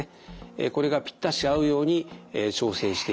これがぴったし合うように調整していきます。